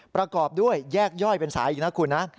ประกอบด้วยแยกย่อยเป็นสายอีกนะคุณนะ